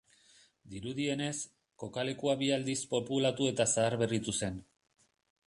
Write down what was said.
Dirudienez, kokalekua bi aldiz populatu eta zaharberritu zen.